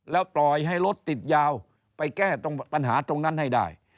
แล้วปล่อยให้รถติดยาวไปแก้ตรงปัญหาตรงนั้นให้ได้